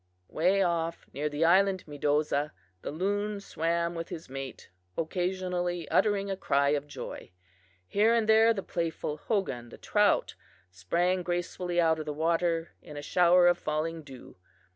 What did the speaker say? "Way off near the island Medoza the loon swam with his mate, occasionally uttering a cry of joy. Here and there the playful Hogan, the trout, sprang gracefully out of the water, in a shower of falling dew.